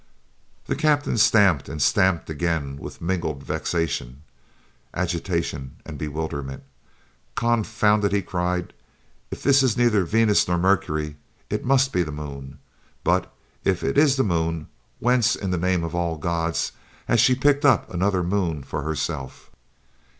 The captain stamped and stamped again with mingled vexation, agitation, and bewilderment. "Confound it!" he cried, "if this is neither Venus nor Mercury, it must be the moon; but if it is the moon, whence, in the name of all the gods, has she picked up another moon for herself?"